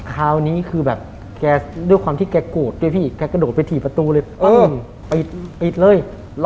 คราวนี้คือแบบแกด้วยความที่แกโกรธด้วยพี่แกกระโดดไปถี่ประตูเลยปิดเลย